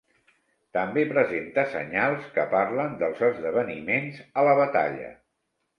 També presenta senyals que parlen dels esdeveniments a la batalla.